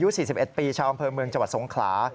นายหมัดโสดสายสะอิดอายุ๔๑ปีชาวบำเภอเมืองจังหวัดสงขลา